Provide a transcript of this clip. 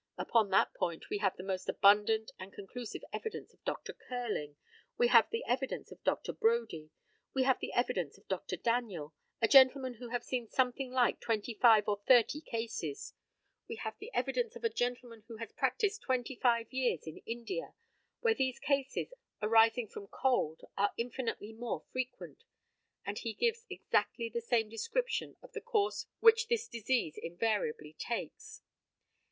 Upon that point we have the most abundant and conclusive evidence of Dr. Curling; we have the evidence of Dr. Brodie; we have the evidence of Dr. Daniel, a gentleman who has seen something like twenty five or thirty cases; we have the evidence of a gentleman who has practised twenty five years in India, where these cases, arising from cold, are infinitely more frequent; and he gives exactly the same description of the course which this disease invariably takes.